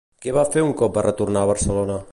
Què va fer un cop va retornar a Barcelona?